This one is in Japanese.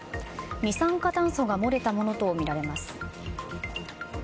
二酸化炭素が漏れたものとみられます。